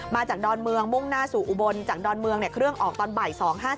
ดอนเมืองมุ่งหน้าสู่อุบลจากดอนเมืองเครื่องออกตอนบ่าย๒๕๗